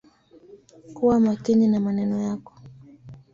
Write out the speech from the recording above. Kuwa makini na maneno yako.